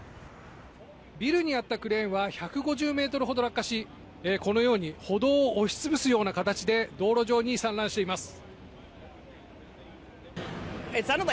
ビルにあったクレーンは１５０ｍほど落下しこのように歩道を押し潰すような形で道路上に散乱しています。